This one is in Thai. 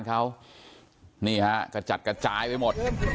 กระจัดกระจายไปหมด